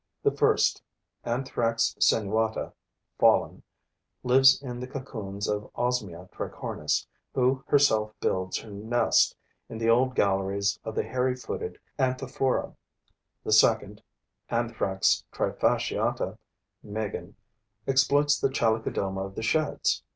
The first, Anthrax sinuata, FALLEN, lives in the cocoons of Osmia tricornis, who herself builds her nest in the old galleries of the hairy footed Anthophora; the second, Anthrax trifasciata, MEIGEN, exploits the Chalicodoma of the Sheds.